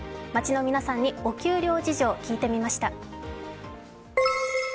街の皆さんにお給料事情聞いてみました。